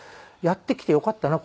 やってきてよかったな